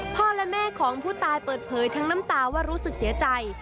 พ่อแม่ของผู้ตายเปิดเผยทั้งน้ำตาว่ารู้สึกเสียใจ